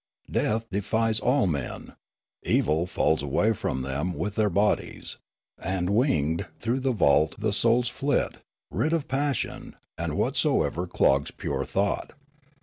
Death deifies all men ; evil falls away from them with their bodies ; and, winged through the vault, the souls flit, rid of passion and whatsoever clogs pure thought.